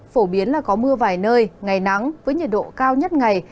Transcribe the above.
phổ biến là có mưa vài nơi ngày nắng với nhiệt độ cao nhất ngày